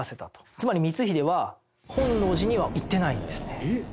つまり光秀は本能寺には行ってないんですね。